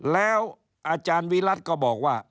แล้วอาจารย์วิรัติก็บอกว่า